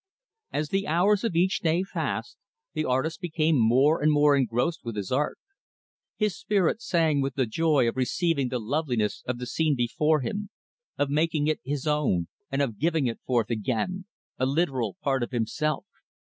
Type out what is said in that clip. As the hours of each day passed, the artist became more and more engrossed with his art. His spirit sang with the joy of receiving the loveliness of the scene before him, of making it his own, and of giving it forth again a literal part of himself.